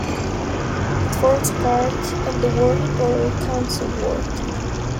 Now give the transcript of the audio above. It forms part of the Warley borough council ward.